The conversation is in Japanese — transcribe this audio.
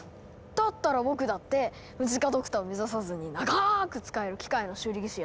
だったら僕だってムジカ・ドクターを目指さずに長く使える機械の修理技師やってたほうがいいですよ。